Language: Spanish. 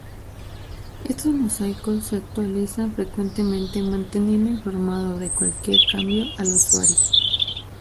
Estos mosaicos se actualizan frecuentemente manteniendo informado de cualquier cambio al usuario.